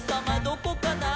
どこかな？」